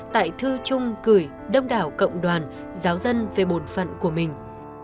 tại thư chung cửi đông đảo cộng đoàn giáo dân về bồn phận của mình